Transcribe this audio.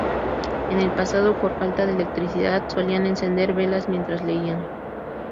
En el pasado, por falta de electricidad, solían encender velas mientras leían.